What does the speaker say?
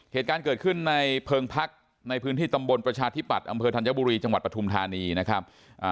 เหตุการณ์เกิดขึ้นในเพิงพักในพื้นที่ตำบลประชาธิปัตย์อำเภอธัญบุรีจังหวัดปฐุมธานีนะครับ